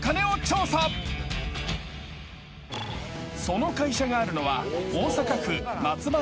［その会社があるのは］